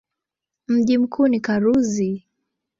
Mji mkuu ni Karuzi.